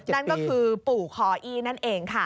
นั่นก็คือปู่คออี้นั่นเองค่ะ